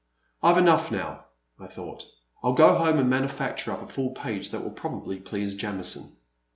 I 've enough now," I thought ; I 'U go home and manufacture a full page that will probably please Jamison."